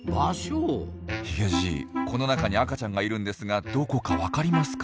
ヒゲじいこの中に赤ちゃんがいるんですがどこか分かりますか？